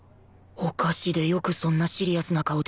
お菓子でよくそんなシリアスな顔できたな